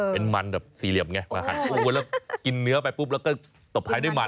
เป็นมันแบบสี่เหลี่ยมไงมาหันแล้วกินเนื้อไปปุ๊บแล้วก็ตบท้ายด้วยมัน